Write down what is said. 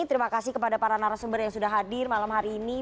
terima kasih kepada para narasumber yang sudah hadir malam hari ini